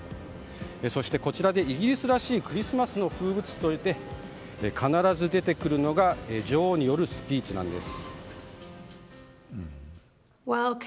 そして、こちらでイギリスらしいクリスマスの風物詩として必ず出てくるのが女王によるスピーチなんです。